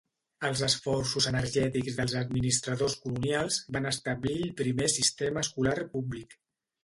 Els esforços energètics dels administradors colonials van establir el primer sistema escolar públic.